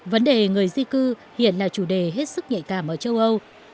vấn đề người di cư hiện là chủ đề hết sức nhạy cảm ở châu âu